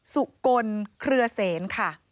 สุกลเครือเสนค่ะ